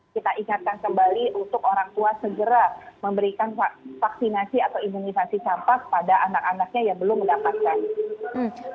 kita ingatkan kembali untuk orang tua segera memberikan vaksinasi atau imunisasi campak pada anak anaknya yang belum mendapatkan